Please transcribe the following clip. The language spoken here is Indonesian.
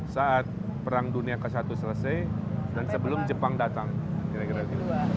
saat perang dunia ke satu selesai dan sebelum jepang datang kira kira gitu